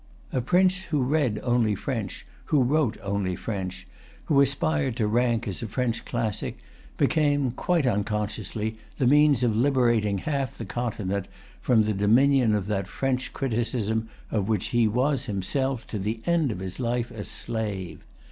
A prince who read only French, who wrote only French, who aspired to rank as a French classic, became, quite unconsciously, the means of liberating half the Continent from the dominion of that French criticism of which he was himself, to the end of his life, a slave.